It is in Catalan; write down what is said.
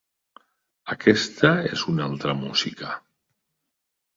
Aquesta és una altra música.